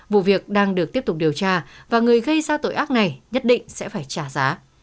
vụ việc đang được tiếp tục điều tra và người gây ra tội ác này nhất định sẽ phải trả giá